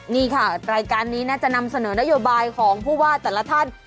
นี่ค่ะรายการนี้น่าจะนำเสนอนโยบายของผู้ว่าแต่ละท่าน